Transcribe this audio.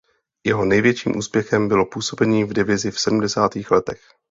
Jeho největším úspěchem bylo působení v divizi v sedmdesátých letech.